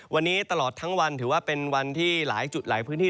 วันนี้ตลอดทั้งวันถือว่าเป็นวันที่หลายจุดหลายพื้นที่